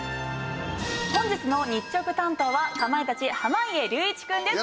本日の日直担当はかまいたち濱家隆一くんです。